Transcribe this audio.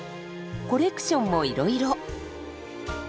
コレクションもいろいろ。